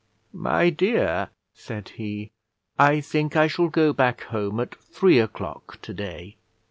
"My dear," said he, "I think I shall go back home at three o'clock to day.